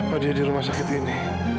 kalau dia di rumah sakit ini